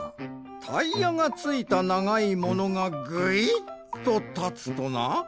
タイヤがついたながいものがぐいっとたつとな？